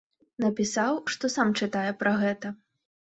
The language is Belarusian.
Напісаў, што сам чытае пра гэта.